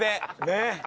ねえ。